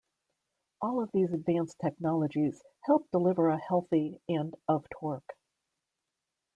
All of these advanced technologies help deliver a healthy and of torque.